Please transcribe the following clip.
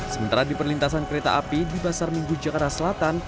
sementara di perlintasan kereta api di pasar minggu jakarta selatan